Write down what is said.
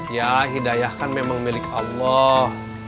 ya hidayah kan memang milik allah